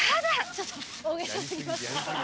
ちょっと大げさ過ぎます。